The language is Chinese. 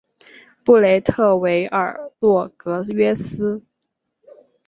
布雷特维尔洛格约斯。